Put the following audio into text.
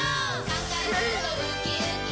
かんがえるとウキウキ